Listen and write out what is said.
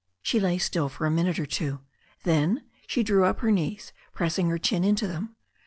She lay still for a minute or two. Then she drew up her knees, pressing her chin into them.